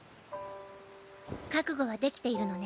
覚悟はできているのね？